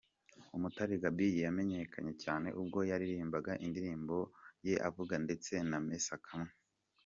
Umutare Gaby yamenyekanye cyane ubwo yaririmbaga indirimbo’Ayo bavuga’ ndetse na ‘Mesa kamwe’.